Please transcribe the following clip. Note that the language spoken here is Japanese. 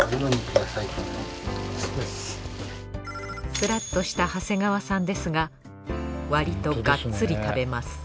スラッとした長谷川さんですがわりとガッツリ食べます